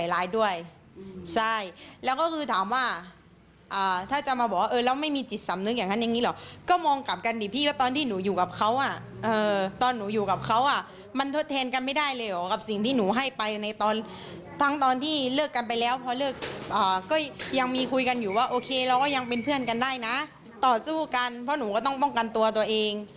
แล้วก็ยังเป็นเพื่อนกันได้นะต่อสู้กันเพราะหนูก็ต้องป้องกันตัวตัวเอง